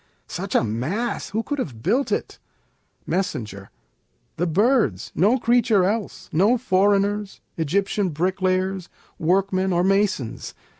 such a mass! who could have built it? Mess. The Birds; no creature else, no foreigners, Egyptian bricklayers, workmen or masons.